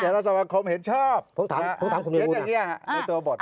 เจ้าสำคัมเห็นชอบเห็นอย่างนี้ฮะในตัวบท